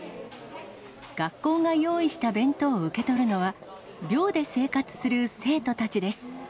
学校が用意した弁当を受け取るのは、寮で生活する生徒たちです。